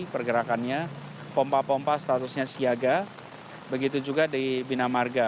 pergerakannya pompa pompa statusnya siaga begitu juga di bina marga